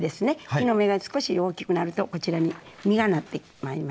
木の芽が少し大きくなるとこちらに実がなってまいりますね。